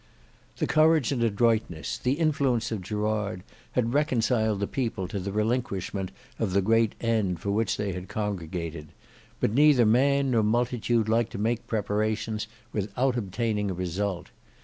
The courage and adroitness, the influence of Gerard, had reconciled the people to the relinquishment of the great end for which they had congregated; but neither man nor multitude like to make preparations without obtaining a result.